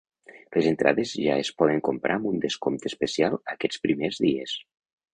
Les entrades ja es poden comprar amb un descompte especial aquests primers dies.